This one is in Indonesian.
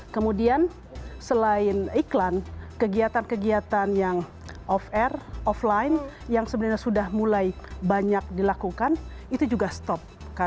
kemudian selain iklan kegiatan kegiatan yang off air offline yang sebenarnya sudah mulai banyak dilakukan itu juga stop